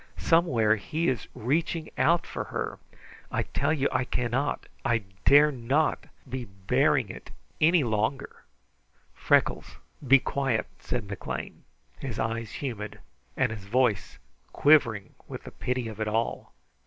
Somewhere he is reaching out for her! I tell you I cannot, I dare not be bearing it longer!" "Freckles, be quiet!" said McLean, his eyes humid and his voice quivering with the pity of it all.